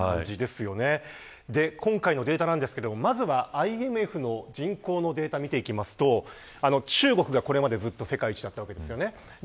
今回のデータですがまずはＩＭＦの人口のデータを見ていきますと中国がこれまでずっと世界一だったわけです。